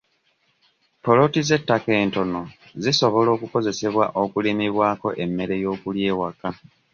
Poloti z'ettaka entono zisobola okukozesebwa okulimibwako emmere y'okulya ewaka.